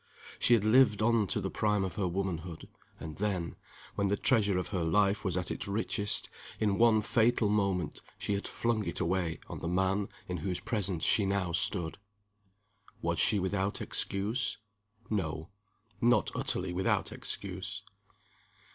She had lived on to the prime of her womanhood and then, when the treasure of her life was at its richest, in one fatal moment she had flung it away on the man in whose presence she now stood. Was she without excuse? No: not utterly without excuse.